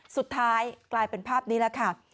สุดท้ายกลายเป็นภาพนี้แล้วค่ะ